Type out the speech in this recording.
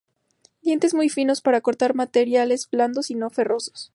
Dientes muy finos, para cortar materiales blandos y no ferrosos.